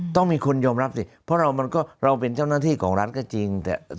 ต้องมีคนยอมรับสิเพราะเราเป็นเจ้าหน้าที่ของรัฐก็จริง